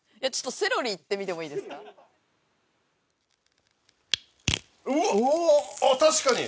ちょっとセロリいってみてもいいですか？